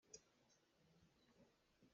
Hla na sak tikah na kaa fakpiin naa aan lai.